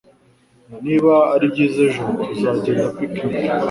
Niba ari byiza ejo, tuzagenda picnic.